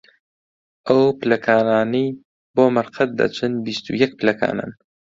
ئەو پلەکانانەی بۆ مەرقەد دەچن، بیست و یەک پلەکانن